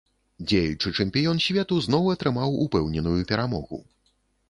Дзеючы чэмпіён свету зноў атрымаў упэўненую перамогу.